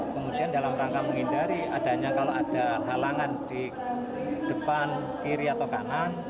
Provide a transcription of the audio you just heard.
kemudian dalam rangka menghindari adanya kalau ada halangan di depan kiri atau kanan